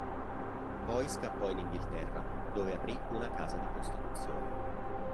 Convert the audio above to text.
Poi scappò in Inghilterra dove aprì una casa di prostituzione.